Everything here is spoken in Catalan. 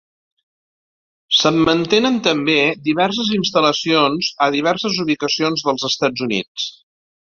Se'n mantenen també diverses instal·lacions a diverses ubicacions dels Estats Units.